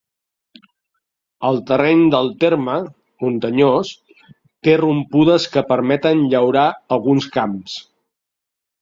El terreny del terme, muntanyós, té rompudes que permeten llaurar alguns camps.